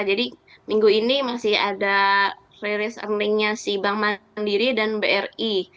jadi minggu ini masih ada release earning nya si bank mandiri dan bri